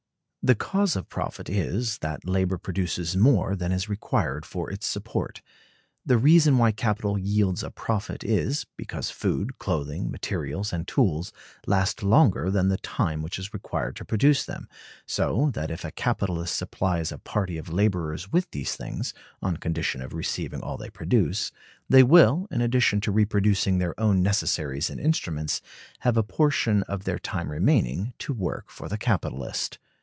The cause of profit is, that labor produces more than is required for its support; the reason why capital yields a profit is, because food, clothing, materials, and tools last longer than the time which is required to produce them; so that if a capitalist supplies a party of laborers with these things, on condition of receiving all they produce, they will, in addition to reproducing their own necessaries and instruments, have a portion of their time remaining, to work for the capitalist.